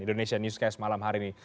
indonesia newscast malam hari ini